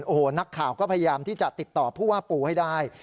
โอ้โหนักข่าวก็พยายามที่จะติดต่อผู้ว่าปูให้ได้